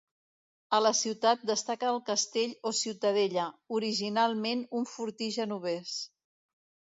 A la ciutat destaca el castell o ciutadella, originalment un fortí genovès.